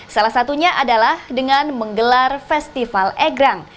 salah satunya adalah dengan menggelar festival egrang